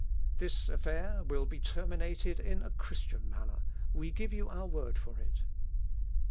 "This affair will be terminated in a Christian manner; we give you our word for it."